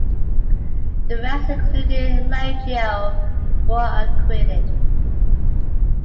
The rest, including Leggio, were acquitted.